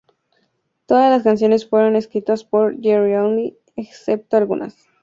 Todas las canciones fueron escritas por Jerry Only, excepto algunas.